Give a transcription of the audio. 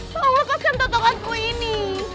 kamu lepaskan totokanku ini